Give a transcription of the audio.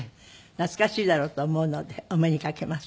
懐かしいだろうと思うのでお目にかけます。